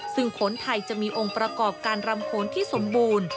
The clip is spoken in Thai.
ซึ่งโขนไทยจะมีองค์ประกอบการรำโขนที่สมบูรณ์